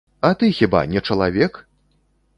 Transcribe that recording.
А ты хіба не чалавек?!